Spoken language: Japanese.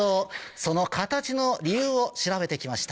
その形の理由を調べて来ました。